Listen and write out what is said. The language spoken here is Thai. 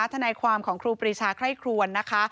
ทนายความของครูปรีชาไคร่ครวนนะคะ